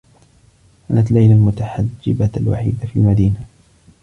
كانت ليلى المتحجّبة الوحيدة في المدينة.